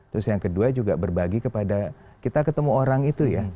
terus yang kedua juga berbagi kepada kita ketemu orang itu ya